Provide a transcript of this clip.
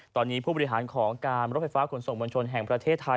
ตอนนี้ผู้บริหารของการรถไฟฟ้าขนส่งมวลชนแห่งประเทศไทย